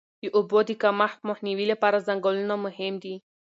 د اوبو د کمښت مخنیوي لپاره ځنګلونه مهم دي.